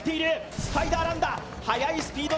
スパイダーランだ。